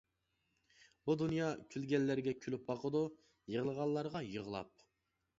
بۇ دۇنيا كۈلگەنلەرگە كۈلۈپ باقىدۇ، يىغلىغانلارغا يىغلاپ.